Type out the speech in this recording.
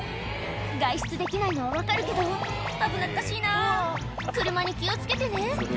外出できないのは分かるけど危なっかしいな車に気を付けてね